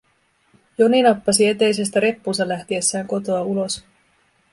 Joni nappasi eteisestä reppunsa lähtiessään kotoa ulos.